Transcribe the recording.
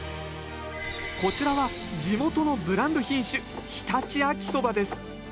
こちらは地元のブランド品種常陸秋そばです。